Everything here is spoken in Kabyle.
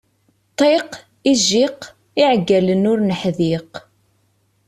Ṭṭiq, ijjiq, iεeggalen ur neḥdiq.